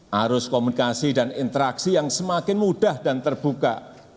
harus komunikasi dan interaksi yang semakin mudah dan terbuka